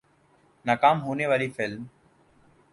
ناکام ہونے والی فلم